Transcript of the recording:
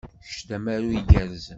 Kečč d amaru igerrzen.